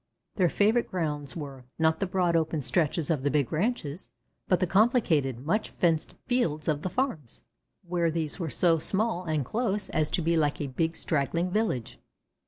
Their favorite grounds were, not the broad open stretches of the big ranches, but the complicated, much fenced fields of the farms, where these were so small and close as to be like a big straggling village.